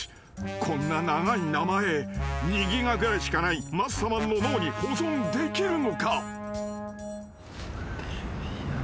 ［こんな長い名前２ギガぐらいしかないマッサマンの脳に保存できるのか？］